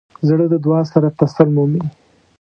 زړه د دعا سره تسل مومي.